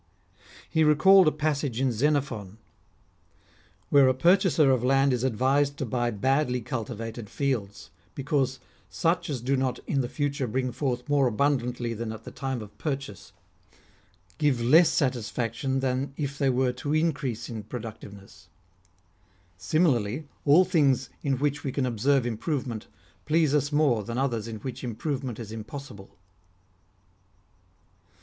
He recalled a passage in Zenophon, where PHILIP OTTONIERI. 123 a purchaser of land is advised to buy badly cultivated fields, because such as do not in the future bring forth more abundantly than at the time of purchase, give less satisfaction than if they were to increase in productive ness. Similarly, all things in which we can observe improvement please us more than others in which improvement is impossible.